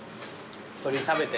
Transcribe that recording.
鶏食べて。